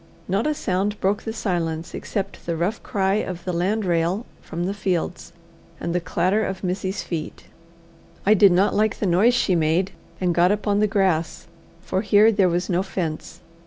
Not a sound broke the silence except the rough cry of the land rail from the fields and the clatter of Missy's feet. I did not like the noise she made, and got upon the grass, for here there was no fence.